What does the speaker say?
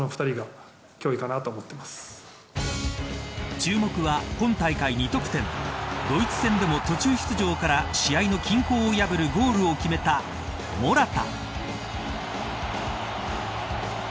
注目は、今大会２得点ドイツ戦でも途中出場から試合の均衡を破るゴールを決めたモラタ。